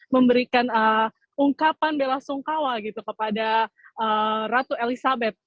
memberikan ungkapan bela sungkawa gitu kepada ratu elizabeth